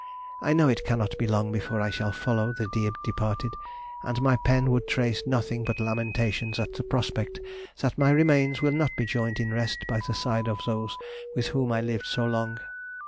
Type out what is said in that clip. I know it cannot be long before I shall follow the dear departed, and my pen would trace nothing but lamentations at the prospect that my remains will not be joined in rest by the side of those with whom I lived so long.